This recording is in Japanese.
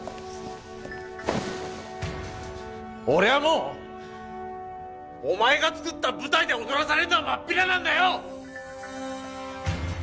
俺はもうお前が作った舞台で踊らされるのはまっぴらなんだよ！